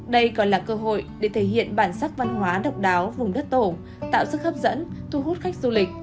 đây còn là cơ hội để thể hiện bản sắc văn hóa độc đáo vùng đất tổ tạo sức hấp dẫn thu hút khách du lịch